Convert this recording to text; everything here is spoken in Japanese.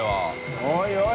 おいおい！